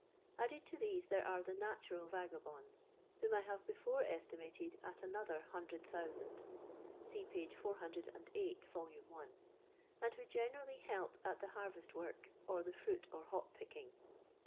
Added to these there are the natural vagabonds, whom I have before estimated at another hundred thousand (see p. 408. voL i.), and who generally help at tbe harvest work or the fruit or hop picking.